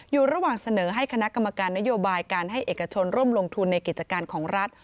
อยู่ระหว่างเสนอให้คณะกรรมการนโยบายการให้เอกชนร่วมลงทุนในกิจการของรัฐ